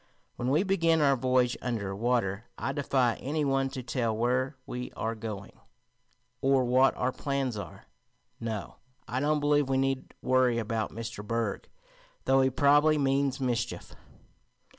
When we begin our voyage under water I defy any one to tell where we are going, or what our plans are. No, I don't believe we need worry about Mr. Berg, though he probably means mischief."